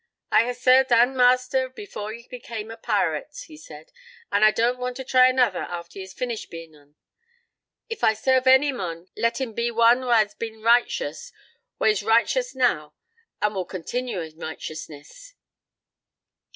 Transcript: "I hae served ane master before he became a pirate," he said, "an' I don't want to try anither after he has finished bein' ane. If I serve ony mon, let him be one wha has been righteous, wha is righteous now, an' wha will continue in righteousness."